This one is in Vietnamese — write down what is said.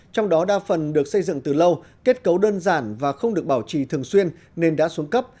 trong đó đa phần được xây dựng từ lâu kết cấu đơn giản và không được bảo trì thường xuyên nên đã xuống cấp